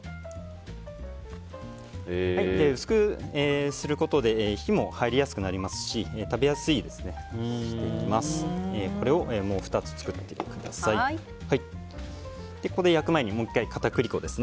薄くすることで火も入りやすくなりますし食べやすくなります。